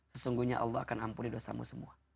sesungguhnya allah akan ampuni dosamu semua